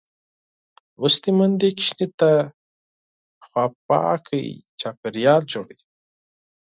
لوستې میندې ماشوم ته پاک چاپېریال جوړوي.